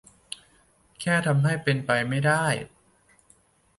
แค่ทำให้เป็นไปไม่ได้